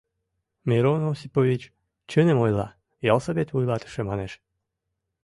— Мирон Осипович чыным ойла, — ялсовет вуйлатыше манеш.